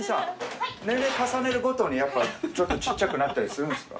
年齢重ねるごとにちょっとちっちゃくなったりするんですか？